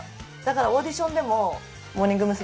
オーディションでもモーニング娘。